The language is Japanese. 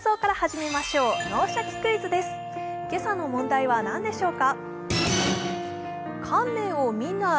今朝の問題は何でしょうか？